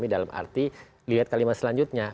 dalam arti lihat kalimat selanjutnya